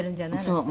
「そう。